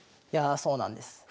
いやそうなんです。